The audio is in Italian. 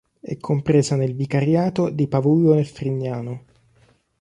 È compresa nel vicariato di Pavullo nel Frignano.